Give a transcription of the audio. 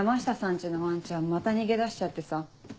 家のワンちゃんまた逃げ出しちゃってさ。